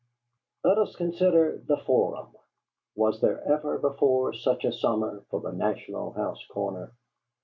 Let us consider the Forum. Was there ever before such a summer for the "National House" corner?